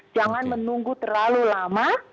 jangan menunggu terlalu lama